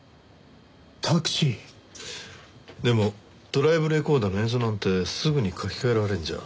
でもドライブレコーダーの映像なんてすぐに書き換えられるんじゃ。